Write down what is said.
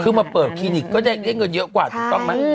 คือมาเปิดคลินิกก็ได้เงินเยอะกว่าถูกต้องไหม